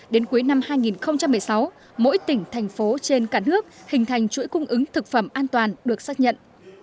đến cuối năm hai nghìn một mươi sáu mỗi tỉnh thành phố trên cả nước hình thành chuỗi cung ứng thực phẩm an toàn được xác nhận